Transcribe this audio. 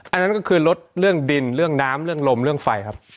อันนั้นก็คือลดเรื่องดินเรื่องน้ำเรื่องลมเรื่องไฟครับ